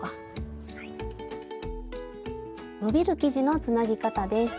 スタジオ伸びる生地のつなぎ方です。